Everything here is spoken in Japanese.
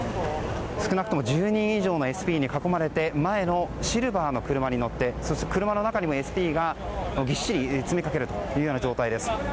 少なくとも１０人以上のＳＰに囲まれて前のシルバーの車に乗ってそして車の中にもＳＰがぎっしりと詰めかけるという状態です。